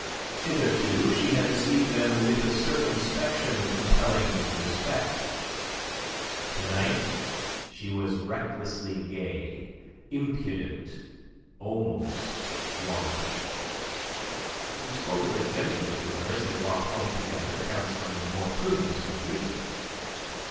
Hitherto she had received them with a circumspection compelling respect. To night she was recklessly gay, impudent, almost wanton. He spoke of it gently to her as they walked home together, counselling more prudence in the future.